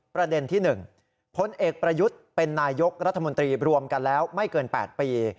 ประเด็นที่๑พลเอกประยุทธ์เป็นนายกรัฐมนตรีรวมกันแล้วไม่เกิน๘ปี